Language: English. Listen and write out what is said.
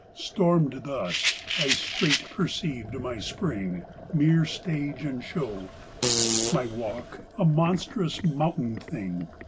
Stormed thus; 1 straight perceived my Spring Mere stage and show, My walk a monstrous, mountained thing.